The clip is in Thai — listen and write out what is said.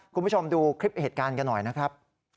คุณผู้ชมดูคลิปเหตุการณ์กันหน่อยนะครับ